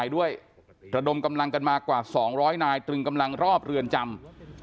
ด้วยระดมกำลังกันมากว่า๒๐๐นายตรึงกำลังรอบเรือนจำ